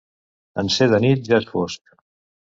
En ser de nit, ja és fosc.